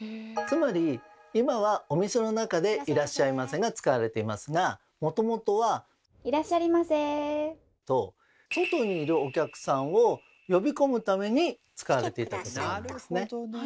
つまり今はお店の中で「いらっしゃいませ」が使われていますがもともとは。と外にいるお客さんを呼び込むために使われていた言葉なんですね。